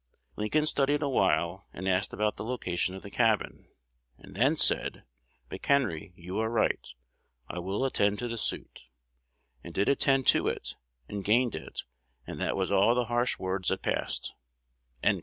Lincoln studied a while, and asked about the location of the cabin,... and then said, 'McHenry, you are right: I will attend to the suit,' and did attend to it, and gained it; and that was all the harsh words that passed."